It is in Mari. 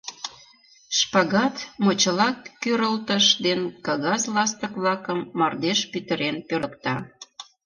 Шпагат, мочыла кӱрылтыш ден кагаз ластык-влакым мардеж пӱтырен пӧрдыкта.